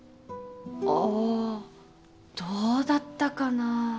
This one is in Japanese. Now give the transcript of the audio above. あどうだったかなぁ。